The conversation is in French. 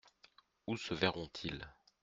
Où se verront-ils ?